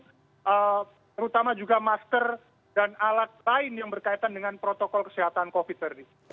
terutama juga masker dan alat lain yang berkaitan dengan protokol kesehatan covid sembilan belas